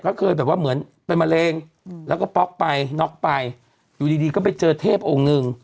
ก็เคยแบบว่าเหมือนเป็นมะเร็งแล้วก็ป๊อกไปน็อกไปอยู่ดีดีก็ไปเจอเทพองค์หนึ่ง